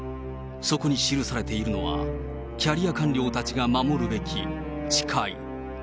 そこに記されているのは、キャリア官僚たちが守るべき誓い。